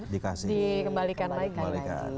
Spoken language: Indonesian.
dikasih dikembalikan lagi